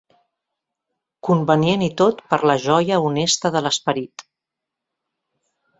Convenient i tot per a la joia honesta de l'esperit.